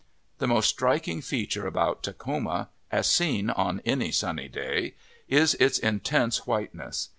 The most striking thing about Takhoma, as seen on any sunny day, is its intense whiteness.